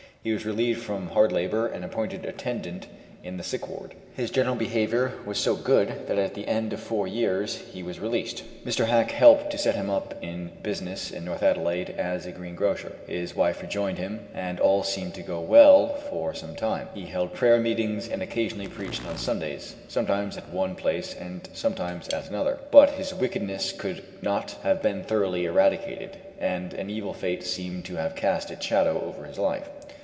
He was relieved from hard labor and appointed attendant in the sick ward. His general behaviour was so good that at the end of four years he was released. Mr. Hack helped to set him up in business in North Adelaide as a green grocer; his wife rejoined him, and all seemed to go well for some time. He held prayer meetings and occasionally preached on Sundays, sometimes at one place and sometimes at another; but his wickedness could not have been thoroughly eradicated, and an evil fate seemed to have cast its shadow over his life.